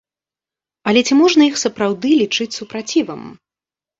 Але ці можна іх сапраўды лічыць супрацівам?